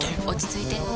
落ち着いて。